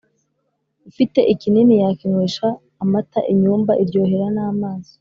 Ufite ikinini yakinywesha amataInyumba iryohera n'amaso